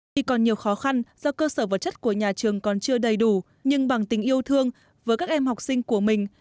tuy còn nhiều khó khăn do cơ sở vật chất của nhà trường còn chưa đầy đủ nhưng bằng tình yêu thương với các em học sinh của mình